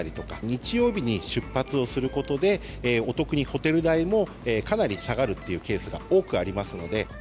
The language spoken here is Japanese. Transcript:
日曜日に出発をすることで、お得にホテル代もかなり下がるっていうケースが多くありますので。